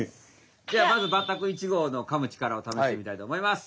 じゃまずバッタくん１号のかむ力をためしてみたいとおもいます。